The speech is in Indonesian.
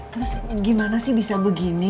terus gimana sih bisa begini